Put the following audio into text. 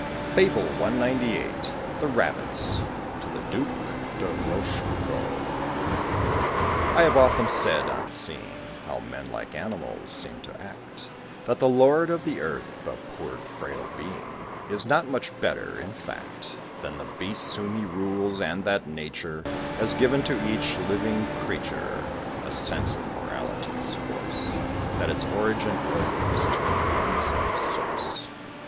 ] FABLE CXCVIII. THE RABBITS. TO THE DUKE DE ROCHEFOUCAULD. I Have often said, on seeing How men like animals seem to act, That the lord of the earth, a poor frail being, Is not much better, in fact, Than the beasts whom he rules; and that Nature Has given to each living creature A sense of morality's force, That its origin owes to the one same source.